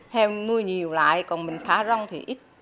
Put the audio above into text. heo mưa nhiều lại còn mình thả rông thì ít